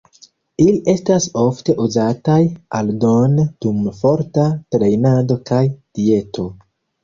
Ili estas ofte uzataj aldone dum forta trejnado kaj dieto.